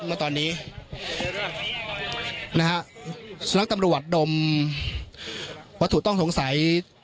มาตอนนี้นะฮะสุนัขตำรวจดมวัตถุต้องสงสัย